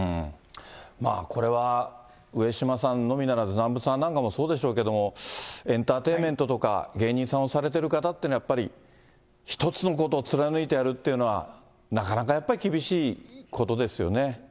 これは上島さんのみならず南部さんなんかもそうでしょうけれども、エンターテインメントとか芸人さんをされてる方というのは、やっぱり一つのことを貫いてやるっていうのは、なかなかやっぱり厳しいことですよね。